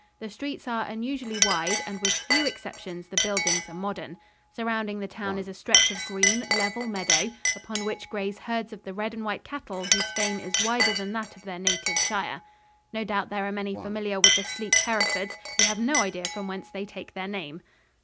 The streets are unusually wide and with few exceptions the buildings are modern. Surrounding the town is a stretch of green, level meadow, upon which graze herds of the red and white cattle whose fame is wider than that of their native shire. No doubt there are many familiar with the sleek Herefords who have no idea from whence they take their name.